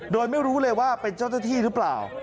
โดยไม่รู้เลยว่าเป็นเจ้าหน้าที่หรือเปล่า